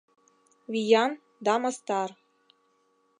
Виян да мастар.